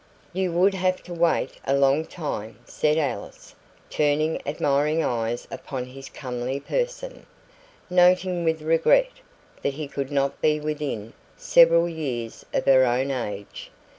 "You would have to wait a long time," said Alice, turning admiring eyes upon his comely person, noting with regret that he could not be within several years of her own age.